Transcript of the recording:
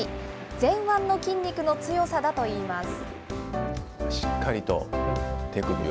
前腕の筋肉の強さだといいます。